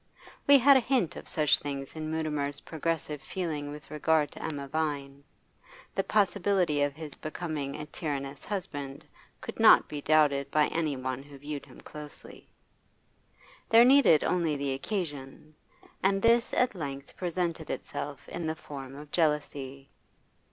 We had a hint of such things in Mutimer's progressive feeling with regard to Emma Vine. The possibility of his becoming a tyrannous husband could not be doubted by any one who viewed him closely. There needed only the occasion, and this at length presented itself in the form of jealousy.